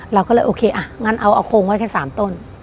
เราก็เลยโอเคอ่ะงั้นเอาโค้งไว้แค่๓ต้น